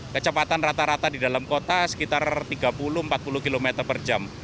kecepatan rata rata di dalam kota sekitar tiga puluh empat puluh km per jam